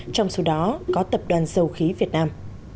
trong số đó có tập đoàn dầu khí việt nam